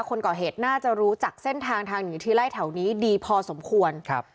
คนก่อเหตุน่าจะรู้จักเส้นทางทางหนีทีไล่แถวนี้ดีพอสมควรครับ